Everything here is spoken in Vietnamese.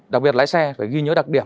đặc biệt lái xe phải ghi nhớ đặc điểm